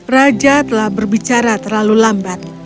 raja telah berbicara terlalu lambat